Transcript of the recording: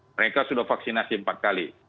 mereka sudah vaksinasi empat kali